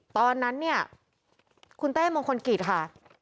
ตอนนั้นคุณแต้มงคลกิจค่ะ